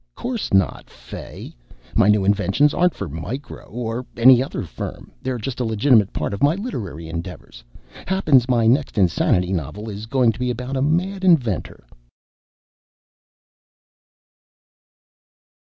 "'Course not, Fay. My new inventions aren't for Micro or any other firm. They're just a legitimate part of my literary endeavors. Happens my next insanity novel is goin' to be about a mad inventor."